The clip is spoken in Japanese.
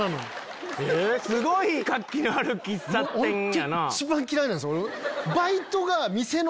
すごい活気のある喫茶店やな。